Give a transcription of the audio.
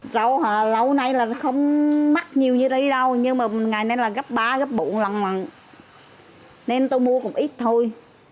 rau lâu nay không mắc nhiều như đây đâu nhưng ngày nay gấp ba gấp bụng lằn lằn nên tôi mua cũng ít thôi